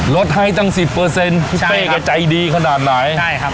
ลดให้ตั้งสิบเปอร์เซ็นต์พี่เป้ก็ใจดีขนาดไหนใช่ครับ